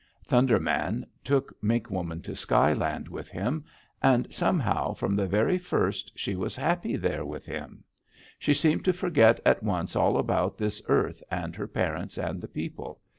"Thunder Man took Mink Woman to sky land with him, and somehow, from the very first she was happy there with him; she seemed to forget at once all about this earth and her parents and the people.